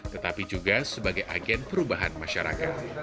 tetapi juga sebagai agen perubahan masyarakat